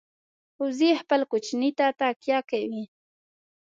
وزې خپل کوچني ته تکیه کوي